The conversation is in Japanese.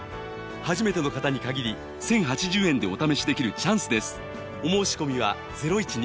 初めての方に限り１０８０円でお試しできるチャンスです